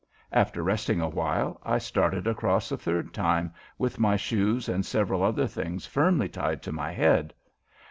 After resting awhile I started across a third time, with my shoes and several other things firmly tied to my head.